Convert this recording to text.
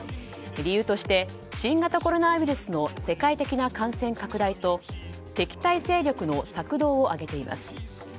理由として新型コロナウイルスの世界的な感染拡大と敵対勢力の策動を挙げています。